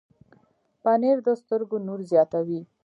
پنېر د سترګو نور زیاتوي.